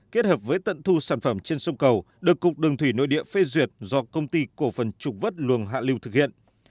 kết hợp với tận thu sản phẩm trên sông cầu được cục đường thủy nội địa phê duyệt do công ty cổ phần trục vớt luồng hạ lưu thực hiện